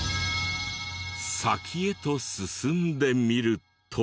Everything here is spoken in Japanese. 先へと進んでみると。